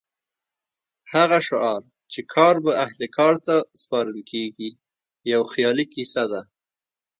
هغه شعار چې کار به اهل کار ته سپارل کېږي یو خیالي کیسه ده.